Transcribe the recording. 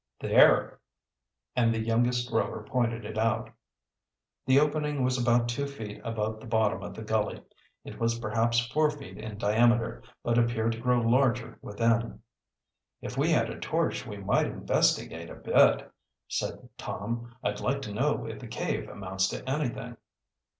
"There," and the youngest Rover pointed it out. The opening was about two feet above the bottom of the gully. It was perhaps four feet in diameter, but appeared to grow larger within. "If we had a torch we might investigate a bit," said Tom. "I'd like to know if the cave amounts to anything."